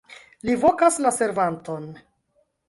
Li vokas la servanton.